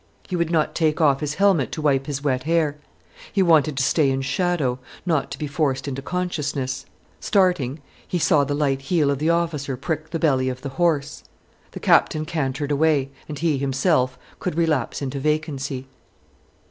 He would not take off his helmet to wipe his wet hair. He wanted to stay in shadow, not to be forced into consciousness. Starting, he saw the light heel of the officer prick the belly of the horse; the Captain cantered away, and he himself could relapse into vacancy.